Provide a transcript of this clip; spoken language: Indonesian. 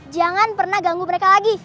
jangan pernah ganggu mereka lagi